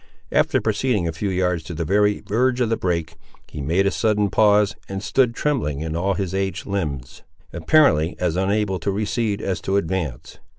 After proceeding a few yards to the very verge of the brake, he made a sudden pause, and stood trembling in all his aged limbs, apparently as unable to recede as to advance.